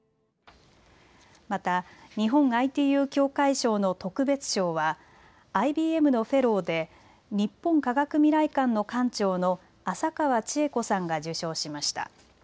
また日本ＩＴＵ協会賞の特別賞はＩＢＭのフェローで日本科学未来館の館長の浅川智恵子さんが受賞しました。